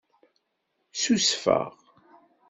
Ssusfeɣ.